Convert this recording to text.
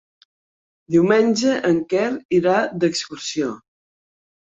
Diumenge en Quer irà d'excursió.